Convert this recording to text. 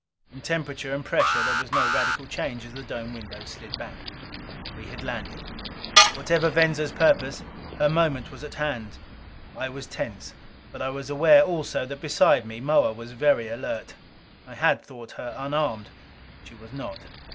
In temperature and pressure there was no radical change as the dome windows slid back. We had landed. Whatever Venza's purpose, her moment was at hand. I was tense. But I was aware also, that beside me Moa was very alert. I had thought her unarmed. She was not.